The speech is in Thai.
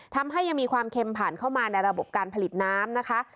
ทำให้ยังมีความเค็มผ่านเข้ามาในระบบการผลิตน้ำนะคะ